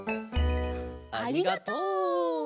ありがとう。